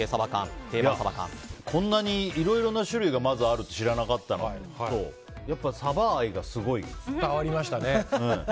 まず、こんなにいろいろな種類があるって知らなかったのとやっぱり、サバ愛がすごいですね。